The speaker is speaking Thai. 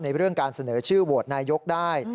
เรื่องการเสนอชื่อโหวตนายกได้